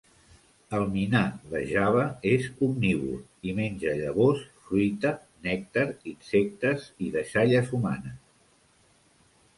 El minà de Java és omnívor i menja llavors, fruita, nèctar, insectes i deixalles humanes.